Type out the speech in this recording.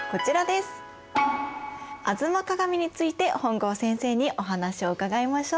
「吾妻鏡」について本郷先生にお話を伺いましょう。